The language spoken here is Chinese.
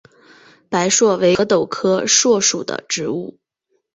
白栎为壳斗科栎属的植物。